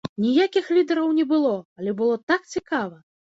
Ніякіх лідараў не было, але было так цікава!